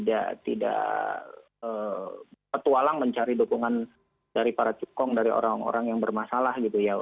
agar para calon ini tidak petualang mencari dukungan dari para cukong dari orang orang yang bermasalah gitu ya